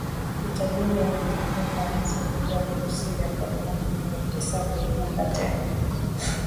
Utalii waongezeka Ufaransa ugonjwa wa virusi vya korona kumi na tisa vyaibuka tena.